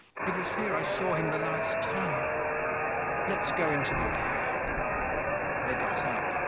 it was here I saw him the last time.... Let's go into the air.' They got up.